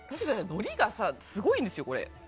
のりがすごいんですよ。